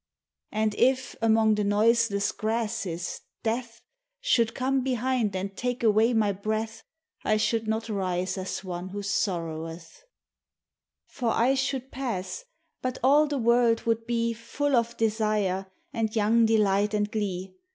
And if, among the noiseless grasses, Death Should come behind and take away my breath, I should not rise as one who sorroweth ;• For I should pass, but all the world would be Full of desire and young delight and glee.